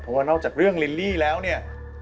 เพราะว่านอกจากเรื่องลิลลี่แล้วเนี่ย